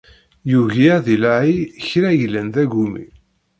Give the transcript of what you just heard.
Yugi ad ilaɛi kra yellan d agumi.